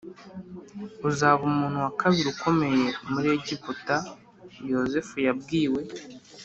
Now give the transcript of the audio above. Uzaba umuntu wa kabiri ukomeye muri Egiputa Yozefu yabwiwe